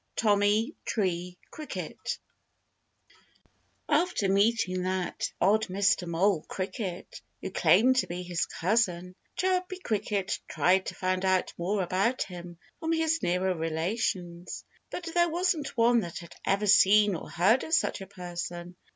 XV TOMMY TREE CRICKET After meeting that odd Mr. Mole Cricket, who claimed to be his cousin, Chirpy Cricket tried to find out more about him from his nearer relations. But there wasn't one that had ever seen or heard of such a person.